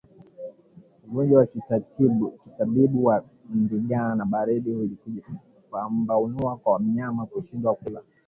Ungojwa wa kitabibu wa ndigana baridi hujipambanua kwa mnyama kushindwa kula